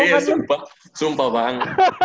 iya sumpah sumpah bang